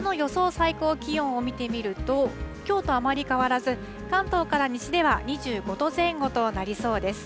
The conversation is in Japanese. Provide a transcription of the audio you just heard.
最高気温を見てみると、きょうとあまり変わらず、関東から西では２５度前後となりそうです。